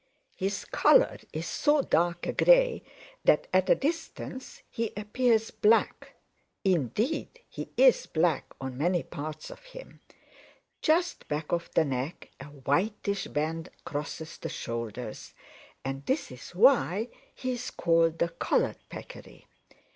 "His color is so dark a gray that at a distance he appears black. Indeed he is black on many parts of him. Just back of the neck a whitish band crosses the shoulders, and this is why he is called the Collared Peccary.